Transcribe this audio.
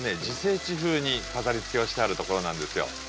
自生地風に飾りつけをしてあるところなんですよ。